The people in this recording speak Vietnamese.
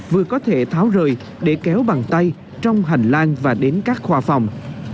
vừa có thể tháo rời để kéo bằng tay trong hành lang và đến các khoa phòng